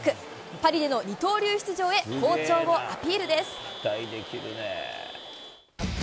パリでの二刀流出場へ好調をアピ